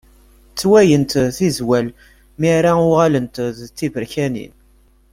Ttewwayent tezwal mi ara uɣalent d tiberkanin.